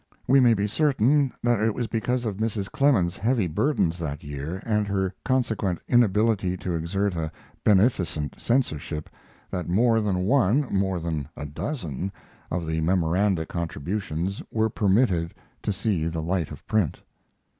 We may be certain that it was because of Mrs. Clemens's heavy burdens that year, and her consequent inability to exert a beneficent censorship, that more than one more than a dozen of the "Memoranda" contributions were permitted to see the light of print.